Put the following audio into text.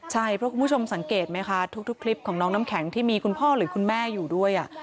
ใช่เพราะคุณผู้ชมสังเกตไหมคะทุกคลิปของน้องน้ำแข็งที่มีคุณพ่อหรือคุณแม่อยู่ด้วย